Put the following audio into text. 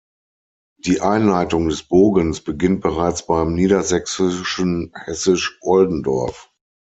Die Einleitung des Bogens beginnt bereits beim niedersächsischen Hessisch Oldendorf.